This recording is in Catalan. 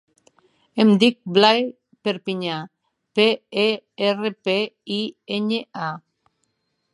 Em dic Blai Perpiña: pe, e, erra, pe, i, enya, a.